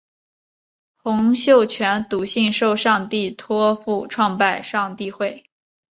洪秀全笃信受上帝托负创拜上帝会。